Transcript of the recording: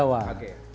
kepengen rumah jawa